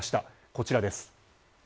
こちらです。